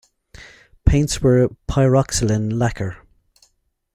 Paints were Pyroxylin lacquer.